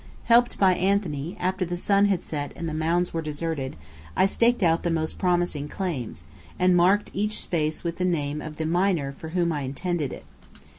Helped by Anthony, after the sun had set and the mounds were deserted, I staked out the most promising "claims," and marked each space with the name of the "miner" for whom I intended it.